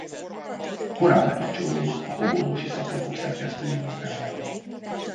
Korán bekapcsolódott a fogorvosi szaklapok szerkesztői munkájába.